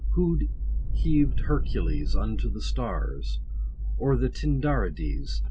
Who heav'd Hercules Unto the stars, or the Tindarides